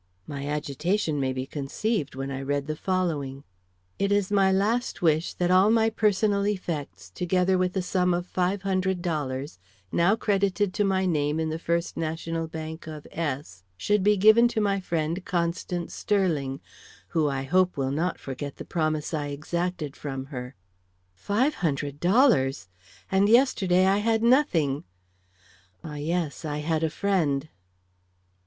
My agitation may be conceived when I read the following: "It is my last wish that all my personal effects, together with the sum of five hundred dollars, now credited to my name in the First National Bank of S , should be given to my friend, Constance Sterling, who I hope will not forget the promise I exacted from her." Five hundred dollars! and yesterday I had nothing. Ah, yes, I had _a friend!